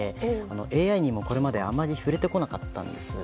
ＡＩにもこれまであまり触れてこなかったんです。